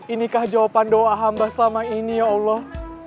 inikah jawaban doa hamba selama ini ya allah